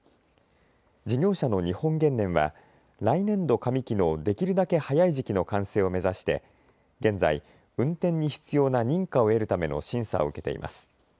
事業者の日本原燃は来年度上期のできるだけ早い時期の完成を目指して現在、運転に必要な認可を得るための審査を受けています。